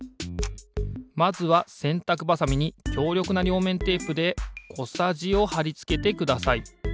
まずはせんたくばさみにきょうりょくなりょうめんテープでこさじをはりつけてください。